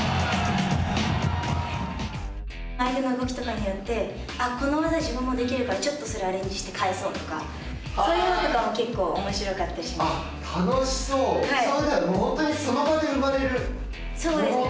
相手の動きとかによってこの技自分もできるからちょっとそれをアレンジして返そうとかそういうのとかも結構おもしろかったりしますね。